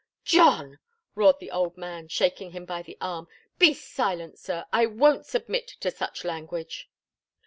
"John!" roared the old man, shaking him by the arm. "Be silent, sir! I won't submit to such language!"